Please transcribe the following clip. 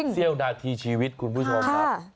เสี้ยวนาทีชีวิตคุณผู้ชมครับ